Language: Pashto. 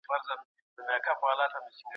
ولې پخوانۍ ډیموکراسي له نننۍ هغې سره توپیر درلود؟